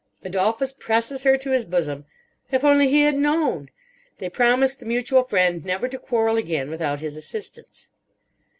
Adolphus presses her to his bosom. If only he had known! They promise the mutual friend never to quarrel again without his assistance.